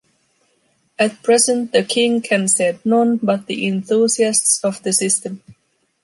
At present the King can send none but the enthusiasts of the system.